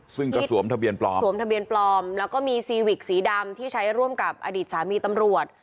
ซึ่งก็สวมทะเบียนปลอมสวมทะเบียนปลอมแล้วก็มีซีวิกสีดำที่ใช้ร่วมกับอดีตสามีตำรวจ